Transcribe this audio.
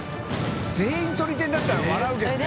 全員とり天だったら笑うけどね。